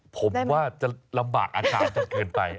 ผมว่าจะลำบากอาจารย์จนเกินไป